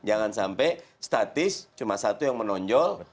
jangan sampai statis cuma satu yang menonjol